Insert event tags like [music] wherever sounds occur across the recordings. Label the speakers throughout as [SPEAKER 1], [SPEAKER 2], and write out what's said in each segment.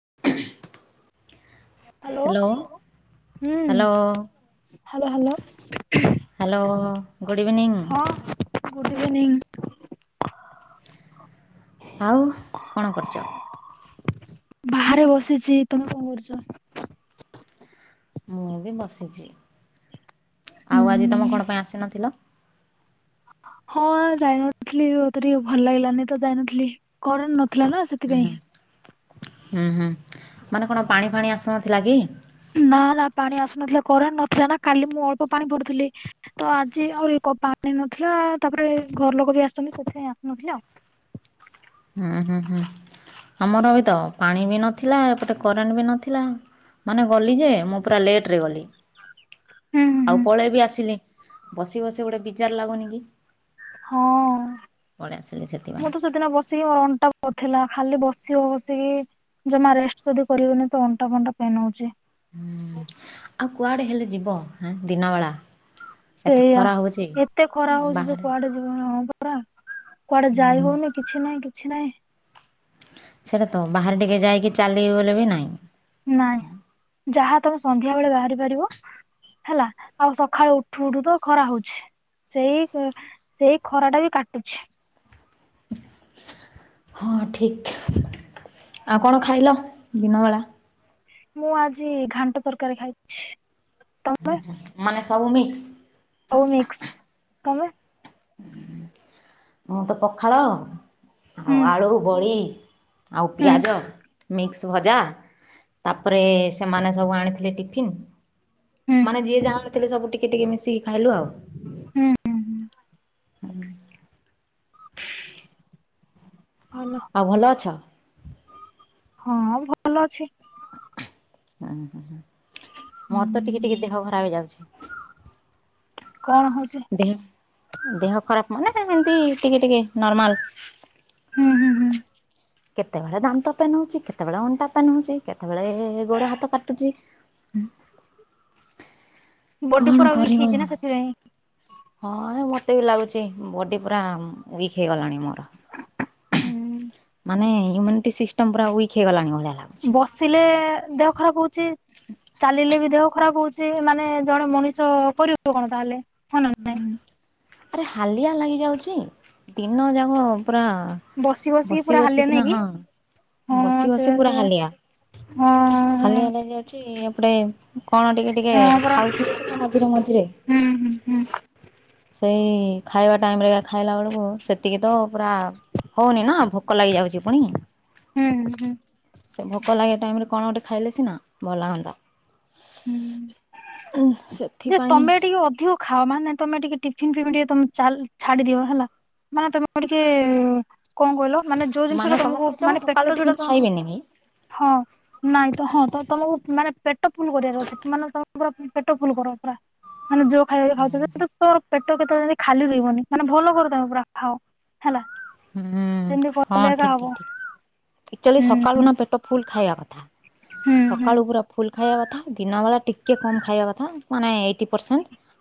[SPEAKER 1] [inaudible]
[SPEAKER 2] Hello ହୁଁ
[SPEAKER 1] hello
[SPEAKER 2] hello hello.
[SPEAKER 1] Hello good evening.
[SPEAKER 2] ହଁ good evening.
[SPEAKER 1] ଆଉ କଣ କରୁଚ?
[SPEAKER 2] ବାହାରେ ବସିଚି ତମେ କଣ କରୁଚ?
[SPEAKER 1] ମୁଁବି ବସିଚି
[SPEAKER 2] ହୁଁ
[SPEAKER 1] ଆଉ ଆଜି ତମ କଣ ପାଇଁ ଆସିନଥିଲ?
[SPEAKER 2] ହଁ ଯାଇନଥିଲି ମତେ ଟିକେ ଭଲ ଲାଗିଲାନିତ ଯାଇନଥିଲି କରେଣ୍ଟେ ନଥିଲାନା।
[SPEAKER 1] ଉଁ ହୁଁ ହୁଁ ହୁଁ ମାନେ କଣ ପାଣି ଫାଣି ଆସୁନଥିଲା କି?
[SPEAKER 2] ନା ନା ପାଣି ଆସୁନଥିଲା କରେଣ୍ଟେ ନଥିଲାନା କାଲି ମୁଁ ଅଳ୍ପ ପାଣି ଧରିଥିଲି ତ ଆଜି ଆହୁରି ପାଣି ନଥିଲା ତାପରେ ଘର ଲୋକବି ଆସୁଚନ୍ତି ସେଥିପାଇଁ ଆସୁନଥିଲା
[SPEAKER 1] ହୁଁ ହୁଁ ହୁଁ ଆମରବିତ ପାଣିବି ନଥିଲା ଏପଟେ କରେଣ୍ଟେବି ନଥିଲା ମାନେ ଗଲିଯେ ମୁଁ ପୁରା ଲେଟ୍ ଗଲି।
[SPEAKER 2] ହୁଁ। ହୁଁ
[SPEAKER 1] ଆଉ
[SPEAKER 2] ହୁଁ
[SPEAKER 1] ପଳେଇବି ଆସିଲି ବସି ବସି ଗୋଟେ ବିଜାର ଲାଗୁନିକି।
[SPEAKER 2] ହଁ
[SPEAKER 1] ଆସିଲି ସେଥିପାଇଁ।
[SPEAKER 2] ମୁଁ ତ ସେଦିନ ବସି ସିଏ ଅଣ୍ଟା ବଥେଇଲା ଖାଲି ବସି ବସିକି ଜମା ରେଷ୍ଟ ଯଦି କରିହଉନି ତ ଅଣ୍ଟା ଫଣ୍ଟା ପେନ୍ ହଉଚି।
[SPEAKER 1] ହୁଁ ଆଉ କୁଆଡେ ହେଲେ ଯିବ ହେଁ ଦିନବେଳା? ଏତେ
[SPEAKER 2] ସେଇଆ
[SPEAKER 1] ଖରା ହଉଛି।
[SPEAKER 2] ଏତେ ଖରା ହଉଚି ଯେ
[SPEAKER 1] ବାହାରେ
[SPEAKER 2] କୁଆଡେ ହଁ ପରା କୁଆଡେ ଯାଇ
[SPEAKER 1] ହୁଁ
[SPEAKER 2] ହଉନି କିଛି ନାଇଁ କିଛି ନାଇଁ।
[SPEAKER 1] ସେଇଟା ତ ବାହାରେ ଟିକେ ଯାଇକି ଚାଲିବି ବୋଲି ବି ନାଇଁ।
[SPEAKER 2] ନାଇଁ ଯାହା ତମେ ସନ୍ଧ୍ୟାବେଳେ ବାହାରିପାରିବ। ହେଲା ଆଉ ସଖାଳେ ଉଠୁ ଉଠୁ ତ ଖରା ହଉଛି। ସେଇ ସେଇ ଖରାଟା ବି କାଟୁଛି।
[SPEAKER 1] ହଁ ଠିକ୍ ଆଉ କଣ ଖାଇଲ ଦିନବେଳା?
[SPEAKER 2] ମୁଁ ଆଜି ଘାଣ୍ଟ ତରକାରୀ ଖାଇ
[SPEAKER 1] ହୁଁ ମାନେ ସବୁ ମିକ୍ସ?
[SPEAKER 2] ସବୁ ମିକ୍ସ ତମେ।
[SPEAKER 1] ମୁଁ ତ ପଖାଳ ଆଉ
[SPEAKER 2] ହୁଁ
[SPEAKER 1] ଆଳୁ, ବଡି ଆଉ
[SPEAKER 2] ହୁଁ
[SPEAKER 1] ପିଆଜ ମିକ୍ସ ଭଜା ତାପରେ ସେମାନେ ସବୁ ଆଣିଥିଲେ ଟିଫିନ୍
[SPEAKER 2] ହୁଁ
[SPEAKER 1] ମାନେ ଯିଏ ଯାହା ଆଣି ଥିଲେ ସବୁ ଟିକେ ଟିକେ ମିଶିକି ଖାଇଲୁ ଆଉ।
[SPEAKER 2] ହୁଁ ହୁଁ ହୁଁ
[SPEAKER 1] ହୁଁ
[SPEAKER 2] ହାଲ
[SPEAKER 1] ଆଉ ଭଲ ଅଛ?
[SPEAKER 2] ହଁ ଭଲ ଅଛି।
[SPEAKER 1] ଆଁ ହାଁ ହଁ
[SPEAKER 2] ହୁଁ
[SPEAKER 1] ହେଇଯାଉଛି।
[SPEAKER 2] କଣ ହଉଚି?
[SPEAKER 1] ଦେହ ଦେହ ଖରାପ ମାନେ ଏମତି ଟିକେ ଟିକେ ନର୍ମାଲ।
[SPEAKER 2] ହୁଁ ହୁଁ ହୁଁ
[SPEAKER 1] କେତେବେଳେ ଦାନ୍ତ ପେନ୍ ହଉଚି କେତେବେଳେ ଅଣ୍ଟା ପେନ୍ ହଉଚି କେତେବେଳେ ଗୋଡ ହାତ କାଟୁଚି। ହୁଁ
[SPEAKER 2] ବଡି ପୁରା ୱିକ୍ ହେଇଛି ନା ସେଥିପାଇଁ।
[SPEAKER 1] ହଁ ମତେ ବି ଲାଗୁଚି ବଡି ପୁରା ୱିକ୍ ହେଇଗଲାଣି ମୋର।
[SPEAKER 2] ହୁଁ
[SPEAKER 1] ନାଇଁ ଇମ୍ୟୁନିଟି ସିଷ୍ଟମ୍ ପୁରା ୱିକ୍ ହେଇଲାଣି ଭଳିଆ ଲାଗ
[SPEAKER 2] ବସିଲେ ଦେହ ଖରାପ ହଉଚି ଚାଲିଲେ ବି ଦେହ ଖରାପ ହଉ ଚି ମାନେ ଜଣେ ମଣିଷ କରିବ କଣ ତାହେଲେ? ହଁ ନା
[SPEAKER 1] ହୁଁ ଆରେ ହାଲିଆ ଲାଗିଯାଉଚି ଦିନଯାକ ପୁରା ବସି
[SPEAKER 2] ପୁରା ହାଲିଆ
[SPEAKER 1] ବସିକି
[SPEAKER 2] ନାଇଁ
[SPEAKER 1] ନା
[SPEAKER 2] କି
[SPEAKER 1] ହଁ
[SPEAKER 2] ହଁ
[SPEAKER 1] ବସି ବସି
[SPEAKER 2] ସେୟା
[SPEAKER 1] ପୁରା
[SPEAKER 2] ସେୟା
[SPEAKER 1] ହାଲିଆ
[SPEAKER 2] ହଁ ହଁ
[SPEAKER 1] ହାଲିଆ ନେଇଯାଉଚି ଏପଟେ କଣ ଟିକେ ଟିକେ
[SPEAKER 2] ହଁ ପରା
[SPEAKER 1] ଖାଉଥିଲେ ସିନା ମଝିରେ ମଝିରେ
[SPEAKER 2] ହୁଁ ହୁଁ ହୁଁ
[SPEAKER 1] ସେଇ ଖାଇବା ଟାଇମରେ ଖାଇଲାବେଳୁକୁ ସେତିକି ତ ପୁରା ହଉନି ନା ଭୋକ ଲାଗିଯାଉଚି ପୁଣି।
[SPEAKER 2] ହୁଁ ହୁଁ
[SPEAKER 1] ସେ ଭୋକ ଲାଗିବା ଟାଇମରେ କଣ ଗୋଟେ ଖାଇଲେ ସିନା ଭଲ ଲାଗନ୍ତା।
[SPEAKER 2] ହୁଁ
[SPEAKER 1] ହୁଁ ସେ
[SPEAKER 2] ଯେ ତମେ ଟିକେ ଅଧିକ ଖାଅ ମାନେ ତମେ ଟିକେ ଟିଫିନ୍ ଫିପିନ୍ ଟିକେ ତ ଚାଲ୍ ଛାଡି ଦିଅ ହେଲା ମାନେ ତମେ ଟିକେ କଣ କହିଲ ମାନେ ଯୋଉ ଜିନିଷଟା
[SPEAKER 1] ତମେ
[SPEAKER 2] ତମକୁ
[SPEAKER 1] କହୁଛ ମୁଁ
[SPEAKER 2] ମାନେ
[SPEAKER 1] ସକାଳୁ
[SPEAKER 2] ପେଟ
[SPEAKER 1] ଟିଫିନ
[SPEAKER 2] ଯୋଉଟା ତମ
[SPEAKER 1] ଖାଇବିନି କି?
[SPEAKER 2] ହଁ ନାଇଁ ତ ହଁ ତ ତମକୁ ମାନେ ପେଟ ଫୁଲ କରିଆର ଅଛି ମାନେ ତମର ପେଟ ଫୁଲ କର ପୁରା ମାନେ ଯୋଉ ଖାଇବା ଖାଉଚ ଯେମିତି ତୋର ପେଟ କେତେବେଳେ ଯେମିତି ଖାଲି ରହିବନି ମାନେ ଭଲ କରିଦବ ପୁରା ଖାଅ ହେଲା।
[SPEAKER 1] ହୁଁ
[SPEAKER 2] ସେମିତି କଲେ ଏକା ହବ।
[SPEAKER 1] ଆଚୁଆଲି
[SPEAKER 2] ହୁଁ
[SPEAKER 1] ସକାଳୁ ନା ପେଟ ଫୁଲ ଖାଇବା କଥା
[SPEAKER 2] ହୁଁ ହୁଁ
[SPEAKER 1] ସକାଳୁ ପୁରା ଫୁଲ ଖାଇବା କଥା ଦିନବେଲା ଟିକିେ କମ୍ ଖାଇବା କଥା ମାନେ ଏକ ଣ୍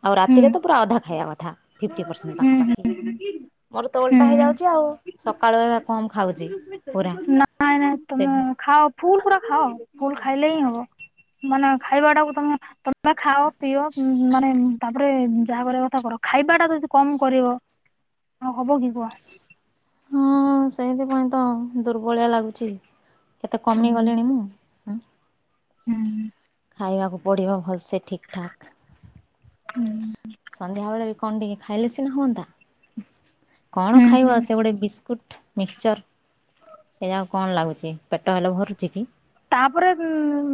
[SPEAKER 1] ଆଉ
[SPEAKER 2] ହୁଁ
[SPEAKER 1] ରାତିରେ ପୁରା ଅଧା ଖାଇବା କଥା ଫିପଟି ପରସଣ୍ଟ
[SPEAKER 2] ହୁଁ
[SPEAKER 1] ପାଖାପାଖି। ମୋର
[SPEAKER 2] ହୁଁ
[SPEAKER 1] ତୋଲଟା ହେଇଯାଉଛି ଆଉ ସକାଳୁ କମ୍ ଖାଉଚି ପୁରା।
[SPEAKER 2] ହୁଁ ନାଇଁ ନାଇଁ
[SPEAKER 1] ସେ
[SPEAKER 2] ତମେ ଖାଅ ଫୁଲ ପୁରା ଖାଅ ଫୁଲ ଖାଇଲେ ହିଁ ହବ। ମାନେ ଖାଇବା ଟାକୁ ତମେ ତେ ଖାଅ ପିଅ ମାନେ ତାପରେ ଯାହା କରିବା କଥା କର। ଖାଇବା ଟା ଯଦି କମ କରିବ ଆ ହବ କି କୁ?
[SPEAKER 1] ହଁ ସେଇଥିପାଇଁ ତ ଦୁର୍ବଳିଆ ଲାଗୁଚି। କେତେ
[SPEAKER 2] ହୁଁ
[SPEAKER 1] କମେଇ ଗଲେଣି ମୁଁ।
[SPEAKER 2] ହୁଁ।
[SPEAKER 1] ଖାଇବାକୁ ପଡ଼ିବ ଭଲସେ ଠିକ୍ ଠାକ୍।
[SPEAKER 2] ହୁଁ।
[SPEAKER 1] ସନ୍ଧ୍ୟା ବେଳେ ବି କଣ ଟିକେ ଖାଇଲେ ସିନା ହୁଅନ୍ତା କଣ
[SPEAKER 2] ହୁଁ ହୁଁ
[SPEAKER 1] ଖାଇବ ସେ ଗୋଟେ ବିସ ଫୁଟ୍ ମିକ୍ସଚର୍ ଏଯାକ କଣ ଲାଗୁଚି ପେଟ ହେଲେ ଭରୁଚି କି?
[SPEAKER 2] ତାପରେ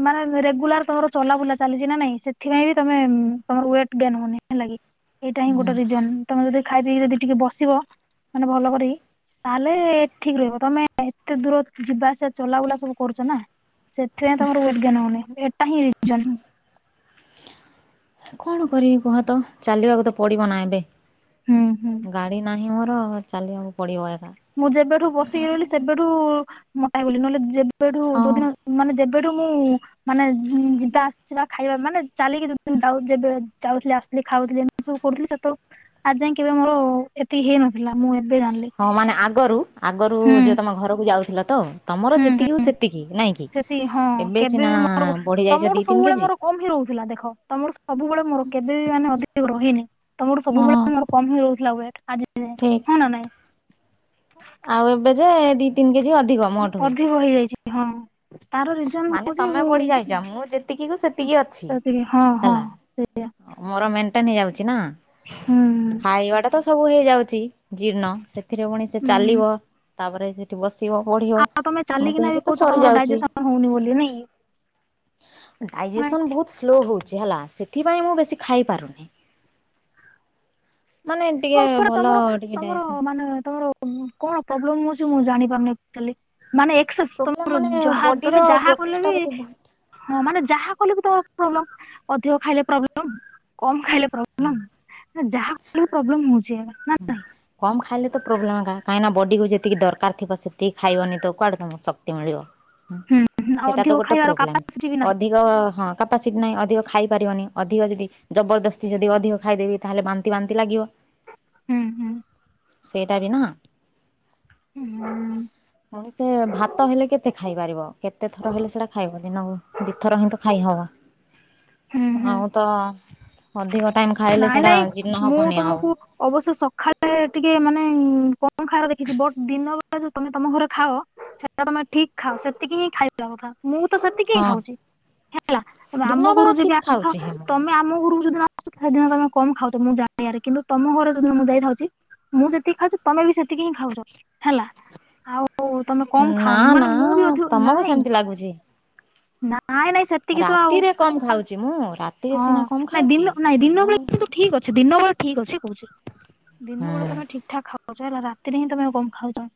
[SPEAKER 2] ମାନେ ରେଗୁଲାର ତମର ଚଲାବୁଲା ଚାଲିଚି ନା ନାଇଁ ସେଥିପାଇଁ ବି ତମେ ତମର ୱେଟ୍ ଗେନ୍ ହଉନି। ହେଲା କି ଏଇଟା ହିଁ ଗୋଟେ ରିଜନ ତମେ ଯଦି ଖାଇ ପିଇି ଯଦି ଟିକେ ବସିବ ମାନେ ଭଲ କରିକି ତାହେଲେ ଠିକ ରହିବ ତମେ ଏତେ ଦୂର ଯିବାସିବା ଚଲା ବୁଲା ସବୁ କରୁଚ ନା। ସେଥିପାଇଁ ତମର ୱେଟ୍ ଗେନ୍ ଏଟା ହିଁ ରିଜନ୍।
[SPEAKER 1] [unintelligible] କଣ କରିବି କୁହ ତ ଚାଲିବାକୁ ତ ପଡିବ ନା ଏବେ।
[SPEAKER 2] ହୁଁ ହୁଁ।
[SPEAKER 1] ଗାଡି ନାହିଁ ମୋର ଚାଲିବାକୁ ପଡିବ ଏ
[SPEAKER 2] ମୁଁ ଯେବେଠୁ ବସିକି ରହଲି ସେବେଠୁ ମୋଟା ହେଇଗଲି ନହେଲେ ଯେବେଠୁ
[SPEAKER 1] ହଁ।
[SPEAKER 2] ଯୋଉଦିନ ମାନେ ଯେବେଠୁ ମୁଁ ମାନେ ଯିବା ଆସିବା ଖାଇବା ମାନେ ଚାଲିକି ଯେତେଦିନ ଯାଉ ଯେବେ ଯାଉଥିଲି ଆସୁଥିଲି ଖାଉଥିଲି ସବୁ କରୁଥିଲି ସେତ ଆ ଯାଏଁ କେବେ ମୋର ଏତିକି ହେଇ ନଥିଲା ମୁଁ ଏବେ ଜାଣିଲି।
[SPEAKER 1] ହଁ ମାନେ ଆଗରୁ ଆଗରୁ
[SPEAKER 2] ହୁଁ
[SPEAKER 1] ଯୋଉ ତମ ଘରକୁ ଯାଉଥିଲ ତ? ତମର
[SPEAKER 2] ହୁଁ ହୁଁ
[SPEAKER 1] ଯେତିକି ହଉ ସେତିକି ନାଇଁ କିି
[SPEAKER 2] ସେତିକି ହଁ
[SPEAKER 1] ଏବେ ସିନା ବଢି ଯାଇଚ ଦି ତିନି କେଜି।
[SPEAKER 2] କମ ହିଁ ରହୁଥିଲା ଦେଖ ତମର ସବୁବେଳେ ମୋର କେବେ ବି ମାନେ ଅଧିକ ରହେନି। ତମର ସବୁବେଳେ
[SPEAKER 1] ହଁ
[SPEAKER 2] ମୋର କମ୍ ହିଁ ରହୁଥିଲା ୱେଟ୍ ଆଜି ଯାଏଁ
[SPEAKER 1] ଠିକ୍।
[SPEAKER 2] ହଁ ନା ନାଇଁ?
[SPEAKER 1] ଆଉ ଏବେ ଯେ ଦି ତିନି କେଜି ଅଧିକ। ମୋଠୁ।
[SPEAKER 2] ଅଧିକ ହେଇଯାଇଛି ହଁ। ତାର ରିଜନ
[SPEAKER 1] ମାନେ
[SPEAKER 2] ହଉଛି
[SPEAKER 1] ତମେ
[SPEAKER 2] ମୁଁ
[SPEAKER 1] ପଢି ଯାଇଚ ମୁଁ ଯେତିକି କୁ ସେତିକି ଅଛି
[SPEAKER 2] ସେତିକି ହଁ ହଁ
[SPEAKER 1] ହେଲା। ମୋର ମେଣ୍ଟେନ ହେଇ ଯାଉଚି ନା।
[SPEAKER 2] ହୁଁ।
[SPEAKER 1] ଖାଇବା ଟା ତ ସବୁ ହେଇଯାଉଚି ଜୀର୍ଣ୍ଣ ସେଥିରେ ପୁଣି ସେ
[SPEAKER 2] ହୁଁ
[SPEAKER 1] ଚାଲିବ। ତାପରେ ସେଠି ବସିବ ପଢିବ
[SPEAKER 2] ଆଉ ତମେ
[SPEAKER 1] ଏମିତି
[SPEAKER 2] ଚାଲିକିନା ବି
[SPEAKER 1] ହେଇକି ତ
[SPEAKER 2] କହୁଛ ତମର
[SPEAKER 1] ସରିଯାଉଚି।
[SPEAKER 2] ଡାଇଜେସନ ହଉନି ବୋଲି ନାଇଁ କି।
[SPEAKER 1] ଡାଇଜେସନ୍ ବହୁତ ସ୍ଲୋ ହଉଛି ହେଲା ସେଥିପାଇଁ ମୁଁ ବେଶୀ ଖାଇପାରୁନିଁ। ମାନେ ଟିକେ
[SPEAKER 2] କଣ
[SPEAKER 1] ଭଲ
[SPEAKER 2] ତମର
[SPEAKER 1] ଟିକେ ଡାଇସ
[SPEAKER 2] [unintelligible] କଣ ପ୍ରୋବ୍ଲେମଉଛି ମୁଁ ଜାଣି ପାରୁନି। ମାନେ
[SPEAKER 1] ପ୍ରୋବ୍ଲେମ
[SPEAKER 2] ତମର
[SPEAKER 1] ମାନେ
[SPEAKER 2] ଯାହା
[SPEAKER 1] ବଡିର
[SPEAKER 2] ତମେ ଯାହା
[SPEAKER 1] ପ୍ରୋସେସ
[SPEAKER 2] କଲେ
[SPEAKER 1] ଟା
[SPEAKER 2] ବି
[SPEAKER 1] ବୋଧେ ବହୁତ
[SPEAKER 2] ହଁ ମାନେ ଯାହା କଲେ ବି ତ ପ୍ରୋବ୍ଲେମ ଅଧିକ ଖାଇଲେ ପ୍ରୋବ୍ଲେମ କମ୍ ଖାଇଲେ ପ୍ରୋବ୍ଲେ।
[SPEAKER 1] ହୁଁ।
[SPEAKER 2] ଯାହା [inaudible] ପ୍ରୋବ୍ଲେମ ହଉଛି ନା
[SPEAKER 1] ହୁଁ। କମ୍ ଖାଇଲେ ତ ପ୍ରୋବ୍ଲେମ୍ ଏକା କାହିଁକି ବଡିକୁ ଯେତିକି ଦରକାର ଥିବ ସେତିକି ଖାଇବନି ତ କୁଆଡେମକୁ ଶକ୍ତି ମିଳିବ।
[SPEAKER 2] ହୁଁ
[SPEAKER 1] ସେଟା ତ
[SPEAKER 2] ଅଧିକ
[SPEAKER 1] ଗୋଟେ
[SPEAKER 2] ଖାଇବାର
[SPEAKER 1] ପ୍ରୋବ୍ଲେମ
[SPEAKER 2] କାପାସିଟି ବି ନାହିଁ
[SPEAKER 1] ଅଧିକ ହଁ କ୍ୟାପାସିଟି ନାହିଁ ଅଧିକ ଖାଇପାରିବନି ଅଧିକ ଯଦି ଜବରଦସ୍ତି ଯଦି ଅଧିକ ଖାଇଦେବି ତାହେଲେ ବାନ୍ତି ବାନ୍ତି ଲାଗିବ।
[SPEAKER 2] ହୁଁ ହୁଁ।
[SPEAKER 1] ସେଇଟା ବି ନା।
[SPEAKER 2] ହୁଁ।
[SPEAKER 1] ପୁଣି ସେ ଭାତ ହେଲେ କେତେ ଖାଇ ପାରିବ କେତେ ଥର ହେଲେ ସେଇଟା ଖାଇବ ଦିନକୁ ଦିଥର ହିଁ ତ ଖାଇହବ।
[SPEAKER 2] ହୁଁ ହୁଁ
[SPEAKER 1] ଆଉ ତ ଅଧିକ ଟାଇମ ଖାଇଲେ
[SPEAKER 2] ନାଇଁ
[SPEAKER 1] ସେଟା
[SPEAKER 2] ନାଇଁ
[SPEAKER 1] ଜୀର୍ଣ
[SPEAKER 2] ମୁଁ
[SPEAKER 1] ହବନି ଆଉ।
[SPEAKER 2] ତମକୁ ଅବଶ୍ୟ ସକାଳେ ଟିକେ ମାନେ କଣ ଖାର ଦେଖିଛି ବ ଦିନ ତମେ ତମ ଘରେ ଖାଅ ସେଇଟା ତମେ ଠିକ ଖାଅ ସେତିକି ହିଁ ଖାଇ [inaudible] ମୁଁ ତ ସେତିକି ହି
[SPEAKER 1] ହଁ
[SPEAKER 2] ଖାଉଛି ହେଲା
[SPEAKER 1] ଦିନ
[SPEAKER 2] ଆମ ଘରୁ
[SPEAKER 1] ବେଳା
[SPEAKER 2] ଯ
[SPEAKER 1] ଠିକ
[SPEAKER 2] ଆ
[SPEAKER 1] ଖାଉଛି ହେ ମୁଁ
[SPEAKER 2] ତମେ ଆମ ଘରରୁକୁ ଯଦିନ ଆ ସେଦିନ ତମେ କମ ଖାଉଛ ମୁଁ [inaudible] କିନ୍ତୁ ତମ ଘରେ ଯଦିନ ମୁଁ ଯାଇଥାଉଛି ମୁଁ ଯେତିକି ଖାଉଛି ତମେ ବି ସେତିକି ହିଁ ଖାଉଛ ହେଲା। ଆଉ ଓ ତମେ କମ
[SPEAKER 1] ନା
[SPEAKER 2] ଖାଉନି
[SPEAKER 1] ନା
[SPEAKER 2] ମାନେ ମୁଁ ବି ଅଧିକ
[SPEAKER 1] ତମକୁ
[SPEAKER 2] ନାଇଁ
[SPEAKER 1] ସେମିତି ଲାଗୁଛି
[SPEAKER 2] ନାଇଁ ନାଇଁ ସେତିକି ତ ଆଉ
[SPEAKER 1] ରାତିରେ କମ ଖାଉଛି ମୁଁ ରାତିରେ
[SPEAKER 2] ହଁ
[SPEAKER 1] ସିନା କମ
[SPEAKER 2] ନାଇଁ
[SPEAKER 1] ଖାଉଛି
[SPEAKER 2] ଦିନ ନାଇଁ ଦିନ
[SPEAKER 1] ହୁଁ
[SPEAKER 2] ବଳେ ଠିକ ଅଛି ଦିନ ବେଳେ ଠିକ ଅଛି କହୁଛି ଦିନ ବେଳେ ତମେ ଠିକ ଠାକ ଖାଉ। ହେଲା ରାତିରେ ହିଁ ତମେଉ କମ ଖାଉଛ।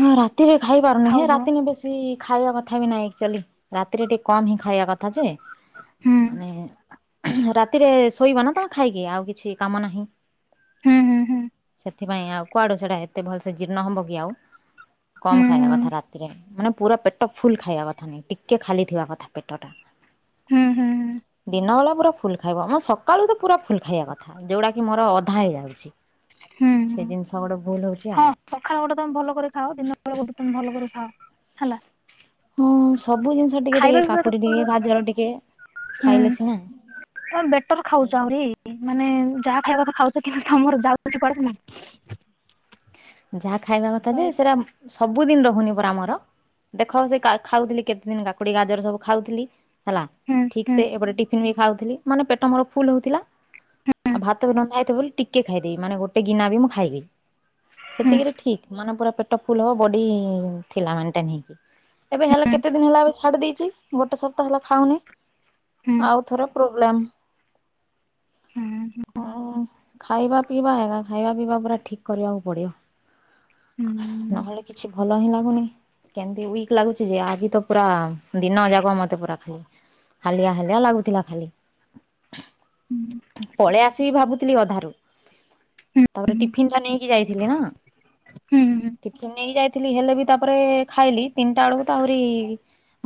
[SPEAKER 1] ହଁ ରାତି ବି ଖାଇ ପାରୁନି ହେ
[SPEAKER 2] ଖାଉନ
[SPEAKER 1] ରାତିନ ବେଶୀ ଖାଇବା କଥା ବି ନାଇଁଚୁଆଲି। ରାତିରେ ଟିକେ କମ ହିଁ ଖାଇବା କଥା ଯେ,
[SPEAKER 2] ହୁଁ
[SPEAKER 1] ମାନେ ରାତିରେ ଶୋଇବ ନା ତମେ ଖାଇକି ଆଉ କିଛି କାମ ନାହିଁ।
[SPEAKER 2] ହୁଁ ହୁଁ ହୁଁ।
[SPEAKER 1] ସେଥିପାଇଁ ଆଉ କୁଆଡୁ ସେଟା ଏତେ ଭଲ ସେ ଜୀର୍ଣ୍ଣ ହବ କି ଆଉ?
[SPEAKER 2] ହୁଁ
[SPEAKER 1] କମ ଖାଇବା
[SPEAKER 2] ହୁଁ
[SPEAKER 1] କଥା କଥା ରାତିରେ ମାନେ ପୁରା ପେଟ ଫୁଲ ଖାଇବା କଥା ନାହିଁ ଟିକେ ଖାଲି ଥିବା କଥା ପେଟଟା।
[SPEAKER 2] ହୁଁ ହୁଁ ହୁଁ
[SPEAKER 1] ଦିନ ବାଳା ପୁରା ଫୁଲ ଖାଇବ ଆମ ସକାଳୁ ତ ପୁରା ଫୁଲ ଖାଇବା କଥା ଯେଉଁଟାକି ମୋର ଅଧା ହେଇଯାଉଛି। ସେ ଜିନିଷ ଗୋଟେ ଭୁଲ ହଉଛି ଆଉ।
[SPEAKER 2] ସକାଳୁ ଗୋଟେ ତମେ ଭଲ କରି ଖାଅ ଦିନ ବଳେ ଗୋଟେ ତମେ ଭଲ କରି ଖାଅ ହେଲା।
[SPEAKER 1] ହଁ ସବୁ ଜିନିଷ ଟିକେ
[SPEAKER 2] ଖାଇବା
[SPEAKER 1] ଟିକେ
[SPEAKER 2] ପିଇବା
[SPEAKER 1] କାକୁଡି ଟିକେ ଗାଜର ଟିକେ ଖାଇଲେ ସିନା।
[SPEAKER 2] ଆ ବେଟର ଖାଉଛ ଆହୁରି। ମାନେ ଯାହା ଖାଇବା କଥା ଖାଉଛ କି ତମର ଯାଉ କିଛି [inaudible]
[SPEAKER 1] ଯାହା ଖାଇବା କଥା ଯେ ସେରା ସବୁଦିନ ରହୁନି ପରା ଆମର ଦେଖ ସେ ଖାଉଥିଲି କେତେ ଦିନ କାକୁଡି ଗାଜର ସବୁ ଖାଉଥିଲି। ହେଲା ଠିକ
[SPEAKER 2] ହୁଁ
[SPEAKER 1] ସେ ଏପଟେ ଟିଫନ୍ ବି ଖାଉଥିଲି ମାନେ ପେଟ ମୋର ଫୁଲ ହଉଥିଲା।
[SPEAKER 2] ହୁଁ
[SPEAKER 1] ଆଉ ଭାତ ବି [inaudible] ହେଇଥିବ ବୋଲି ଟିକେ ଖାଇଦେବି ମାନେ ଗୋଟେ ଗନା ବି ମୁଁ ଖାଇବି।
[SPEAKER 2] ହୁଁ
[SPEAKER 1] ସେତିକିରେ ଠିକ ମାନେ ପୁରା ପେଟ ଫୁଲ ହବ ବଡି ଥିଲା ମେଣ୍ଟେନ ହେଇକି। ଏବେ ହେଲେ କେତେ ଦିନ ହେଲା ଏବେ ଛାଡି ଦେଇଛି ଗୋଟେ ସପ୍ତାହ ହେଲା ଖାଉନି।
[SPEAKER 2] ହୁଁ
[SPEAKER 1] ଆଉ ଥରେ ପ୍ରୋବ୍ଲେମ୍।
[SPEAKER 2] ହୁଁ
[SPEAKER 1] ହଁ ଖାଇବା ପିଇବା ହେଳା ଖାଇବା ପିଇବା ପୁରା ଠିକ୍ କରିବାକୁ ପଡିବ।
[SPEAKER 2] ହୁଁ
[SPEAKER 1] ନହେଲେ କିଛି ଭଲ ହିଁ ନାଗୁନି। କେମତି ୱିକ ଲାଗୁଛି ଯେ ଆଜି ତ ପୁରା ଦିନ ଯାକ ମତେ ପୁରା ଖାଲି ହାଲିଆ ହାଲିଆ ଲାଗୁଥିଲା ଖାଲି।
[SPEAKER 2] ହୁଁ
[SPEAKER 1] ପଳେଇ ଆସିବି ଭାବୁଥିଲି ଅଧାରୁ। ତାପରେ ଟିଫିନ୍ ଟା ନେଇକି ଯାଇଥିଲି ନା।
[SPEAKER 2] ହୁଁ ହୁଁ।
[SPEAKER 1] ଟିଫିନ୍ ନେଇକି ଯାଇଥିଲି ହେଲେ ବି ତାପରେ ଖାଇଲି ତିନିଟା ବେଳକୁ ଆହୁରି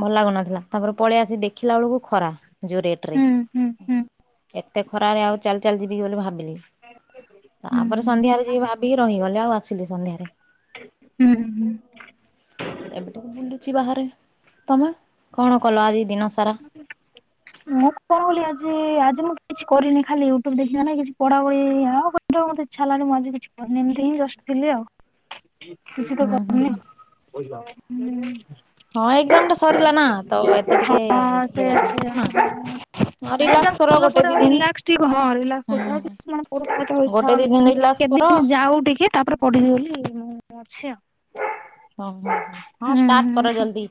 [SPEAKER 1] ଭଲ ଲାଗୁନଥିଲା ତାପରେ ପଳେଇ ଆସି ଦେଖିଲା ବେଳକୁ ଖରା ଯୋଉ ରେଟ ରେ।
[SPEAKER 2] ହୁଁ ହୁଁ ହୁଁ ହୁଁ
[SPEAKER 1] ଏତେ ଖରାରେ ଆଉ ଚାଲି ଚାଲି ଯିବି ବୋଲି ଭାବିଲି।
[SPEAKER 2] ହୁଁ
[SPEAKER 1] ତାପରେ ସନ୍ଧ୍ୟାରେ ଯିବି ବୋଲି ଭାବିକି ରହିଗଲି ଆଉ ଆସିଲି ସନ୍ଧ୍ୟାରେ।
[SPEAKER 2] ହୁଁ ହୁଁ
[SPEAKER 1] [inaudible] ଏବେ ଟିକେ ବୁଲୁଚି ବାହାରେ ତମେ କଣ କଲ ଆଜି ଦିନସାରା?
[SPEAKER 2] ମୁଁ କଣ ବୋଲି ଆଜି ଆଜି ମୁଁ କିଛି କରିନି ଖାଲି ୟୁଟ୍ୟୁବ ଦେଖି ନାଇଁ କିଛି ପଢାପଢି ଆ ମତେ ଇଚ୍ଛା ହେଲାନି ମୁଁ ଆଜି କିଛି କରିନି ଏମିତି ହିଁ ଜଷ୍ଟ୍ ଥିଲି ଆଉ।
[SPEAKER 1] [inaudible]
[SPEAKER 2] କିଛି ତ
[SPEAKER 1] ହୁଁ ହୁଁ
[SPEAKER 2] କରିନି
[SPEAKER 1] ହୁଁ ହଁ ଏକ୍ଜାମ ଟା ସରିଲା ନା ତ ଏତେ ଟିକେ
[SPEAKER 2] ହଁ
[SPEAKER 1] ଇଏ
[SPEAKER 2] ସେଇଆ
[SPEAKER 1] ଲାଗୁନଥିବ ନା।
[SPEAKER 2] ସେଇଆ।
[SPEAKER 1] ହଁ ରିଲାକ୍ସ କର
[SPEAKER 2] [inaudible]
[SPEAKER 1] ଗୋଟେ ଦି ଦିନ
[SPEAKER 2] [unintelligible] ଯାଉ
[SPEAKER 1] ହୁଁ
[SPEAKER 2] ଟିକେ
[SPEAKER 1] ଗୋଟେ ଦି
[SPEAKER 2] ତାପରେ
[SPEAKER 1] ଦିନ ରିଲାକ୍ସ କର
[SPEAKER 2] ପଢିବି ବୋଲି ମୁଁ ଅଛି ଆଉ।
[SPEAKER 1] ଓ ହଁ ହଁ ହଁ
[SPEAKER 2] ହୁଁ
[SPEAKER 1] ଷ୍ଟାର୍ଟ କର ଜଲଦି।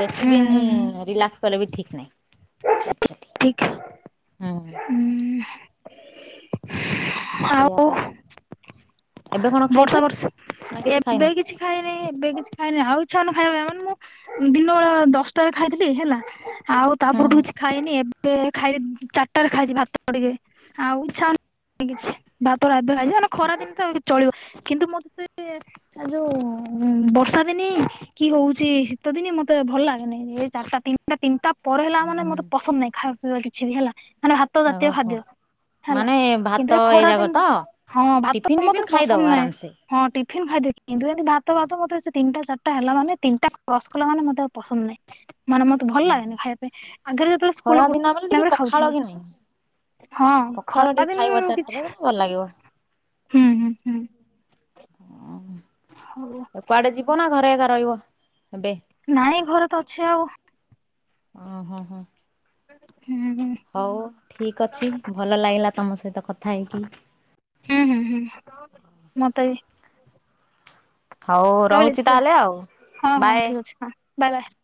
[SPEAKER 1] ବେଶି
[SPEAKER 2] ହୁଁ
[SPEAKER 1] ଦିନ୍
[SPEAKER 2] ହୁଁ ହୁଁ
[SPEAKER 1] ରିଲାକ୍ସ କଲେ ବି ଠିକ୍ ନାହିଁ। ହୁଁ।
[SPEAKER 2] ଉଁ
[SPEAKER 1] ସେଇଆ
[SPEAKER 2] ଆଉ
[SPEAKER 1] ତ ଏବେ କଣ ଖାଇଛ
[SPEAKER 2] ବର୍ଷା ବର୍ଷି
[SPEAKER 1] ନା କିଛି ଖାଇନ?
[SPEAKER 2] ଏବେ କିଛି ଖାଇନି ଏବେ କିଛି ଖାଇନି ଆଉ ଇଚ୍ଛା ହଉନି ଖାଇବା ପାଇଁ ମାନେ ମୁଁ ଦିନ ବେଳେ ଦଶଟାରେ ଖାଇଥିଲି ହେଲା ଆଉ
[SPEAKER 1] ହୁଁ
[SPEAKER 2] ତାପରଠୁ
[SPEAKER 1] ହୁଁ
[SPEAKER 2] କିଛି ଖାଇନି ଏବେ ଖାଇଚି ଚାରିଟାରେ ଖାଇଚି ଭାତ ଟିକେ ଆଉ ଇଚ୍ଛା ହଉନି କିଛି ଭାତଟା ଏବେ ଖାଇଚି ମାନେ ଖରାଦିନ ତ ଆଉ ଚଳିବ କିନ୍ତୁ ମତେ ଆ ଯୋଉ ବର୍ଷା ଦିନେ କି ହଉଛି ଶୀତ ଦିନେ ମତେ ଭଲ ଲାଗେନି ଏ ଚାରିଟା ତିନିଟା ତିନିଟା ପରେ ହେଲା ମାନେ
[SPEAKER 1] ହୁଁ
[SPEAKER 2] ମତେ ପସନ୍ଦ ନାହିଁ ଖାଇବା ପିଇବା କିଛି ବି ହେଲା ମାନେ ଭାତ ଜାତୀୟ
[SPEAKER 1] ଓହୋ
[SPEAKER 2] ଖାଦ୍ୟ। ହେଲା
[SPEAKER 1] ମାନେ ଭାତ
[SPEAKER 2] କିନ୍ତୁ ଏ ଖରା
[SPEAKER 1] ଯାକ ତ?
[SPEAKER 2] ଦିନ ହଁ ଭାତ
[SPEAKER 1] ଟିଫିନ
[SPEAKER 2] ମତେ
[SPEAKER 1] ବିଫିନ ଖାଇଦବ
[SPEAKER 2] ପସନ୍ଦ ନାହିଁ।
[SPEAKER 1] ଆରାମସେ
[SPEAKER 2] ହଁ ଟିଫିନ୍ ଖାଇଦେଇଚି କିନ୍ତୁ ଏମତି ଭାତ ଫାତ ମତେ ସେ ତିନିଟା ଚାରିଟା ହେଲା ମାନେ ତିନଟା କ୍ରସ୍ କଲା ମାନେ ମତେ ଆଉ ପସନ୍ଦ ନାହିଁ। ମାନେ ମତେ ଭଲ ଲାଗେନି ଖାଇବା ପାଇଁ ଆଗରେ ଯେତେବେଳେ ସ୍କୁଲ୍
[SPEAKER 1] ଖରା
[SPEAKER 2] ରେ ପଢ଼ୁଥିଲି
[SPEAKER 1] ଦିନ ବେଲେ
[SPEAKER 2] ସେ
[SPEAKER 1] ଟିକେ
[SPEAKER 2] ଟାଇମ୍ ରେ
[SPEAKER 1] ପଖାଳ
[SPEAKER 2] ଖାଉଥିଲି।
[SPEAKER 1] କି ନାହିଁ।
[SPEAKER 2] ହଁ
[SPEAKER 1] ପଖାଳ ଟିକେ ଖାଇବ
[SPEAKER 2] ଖରାଦିନ
[SPEAKER 1] ଚାରିଟାରେ
[SPEAKER 2] କିଛି
[SPEAKER 1] ବେଲେ ଭଲ ଲାଗିବ।
[SPEAKER 2] ହୁଁ ହୁଁ ହଁ। [inaudible]
[SPEAKER 1] କୁଆଡେ ଯିବ ନା ଘରେ ଏକା ରହିବ ଏବେ?
[SPEAKER 2] ନାଇଁ ଘରେ ତ ଅଛି ଆଉ।
[SPEAKER 1] ଓହୋ ହୋ ହୋ।
[SPEAKER 2] ହୁଁ ହୁଁ।
[SPEAKER 1] ହଉ ଠିକ୍ ଅଛି ଭଲ ଲାଗିଲା ତମ ସହିତ କଥା ହେଇକି।
[SPEAKER 2] ହୁଁ-ହୁଁ-ହୁଁ ମତେ ବି
[SPEAKER 1] ହଉ
[SPEAKER 2] ରହିଲି
[SPEAKER 1] ରହୁଛି
[SPEAKER 2] ବାଏ
[SPEAKER 1] ତାହେଲେ ଆଉ
[SPEAKER 2] ହଁ-ହଁ
[SPEAKER 1] ବାଏ।
[SPEAKER 2] ଠିକ୍ ଅଛି ହଁ ବାଏ ବାଏ।